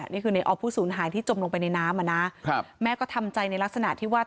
นี่คือในออฟผู้สูญหายที่จมลงไปในน้ำอ่ะนะครับแม่ก็ทำใจในลักษณะที่ว่า